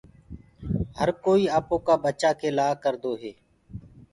هر ڪوئي اپوڪآ بچآ ڪي لآ ڪردو هي۔